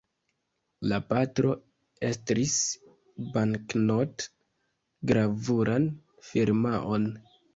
La patro estris banknot-gravuran firmaon.